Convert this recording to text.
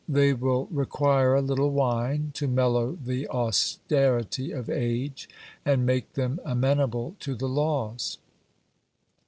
They will require a little wine, to mellow the austerity of age, and make them amenable to the laws.